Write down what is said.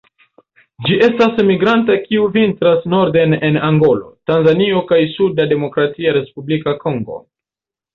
Ĝi estas migranta kiu vintras norden en Angolo, Tanzanio kaj suda Demokratia Respubliko Kongo.